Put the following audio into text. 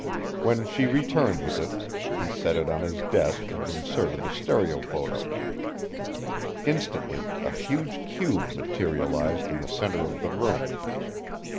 When she returned with it, he set it on his desk and inserted the stereophoto. Instantly, a huge cube materialized in the center of the room.